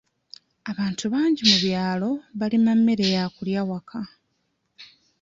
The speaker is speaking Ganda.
Abantu bangi mu byalo balima mmere ya kulya waka.